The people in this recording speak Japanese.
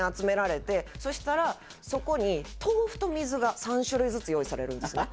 そしたらそこに豆腐と水が３種類ずつ用意されるんですね。